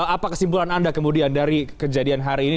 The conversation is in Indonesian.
apa kesimpulan anda kemudian dari kejadian hari ini